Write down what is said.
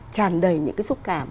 tràn đầy những cái xúc cảm